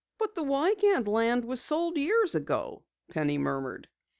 "But the Wiegand land was sold years ago," Penny murmured.